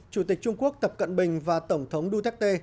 chủ tịch trung quốc tập cận bình và tổng thống duterte